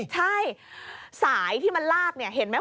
ใช่สายที่มันลากเห็นไหม